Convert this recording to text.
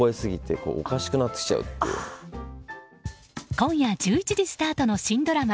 今夜１１時スタートの新ドラマ